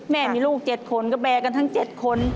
แม่มีลูก๗คนก็แบร์กันทั้ง๗คน